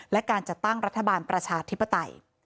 และการจัดตั้งรัฐบาลประชาธิปไตย